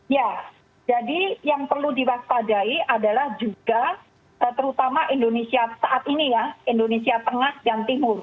ya jadi yang perlu diwaspadai adalah juga terutama indonesia saat ini ya indonesia tengah dan timur